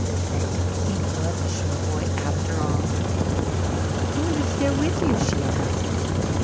Then he was a shore boy after all. "Who lives there with you?" she asked.